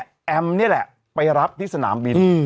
แอมนี่แหละไปรับที่สนามบิน